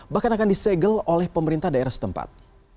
bahkan akan disegel oleh pemerintah daerah setempat